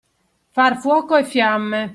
Far fuoco e fiamme.